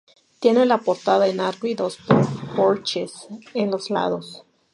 Tiene la portada en arco y dos porches en los lados.